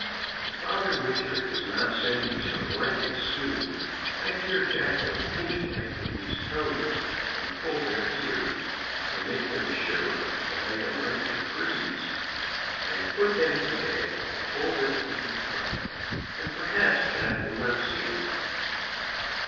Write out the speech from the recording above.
If Father Winter does not send me some blankets soon, I fear Jack will pinch my babies' toes, and pull their ears, and make them shiver till they am ready to freeze. I have put them to bed and told them to keep quiet, and perhaps Jack will not see them."